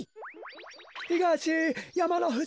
ひがしやまのふじ。